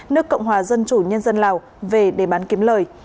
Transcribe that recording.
nước cộng hòa dân chủ nhân dân lào về để bán kiếm lời